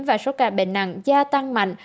và số ca bệnh nặng gia tăng mạnh